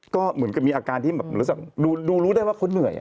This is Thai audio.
ก็เหมือนกับมีอาการที่แบบรู้สึกดูรู้ได้ว่าเขาเหนื่อย